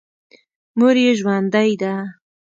مور یې ژوندۍ ده.